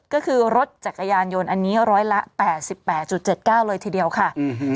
ก็คือรถจักรยานยนต์อันนี้ร้อยละแปดสิบแปดจุดเจ็ดเก้าเลยทีเดียวค่ะอืม